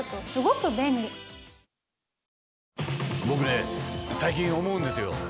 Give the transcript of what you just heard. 僕ね最近思うんですよ。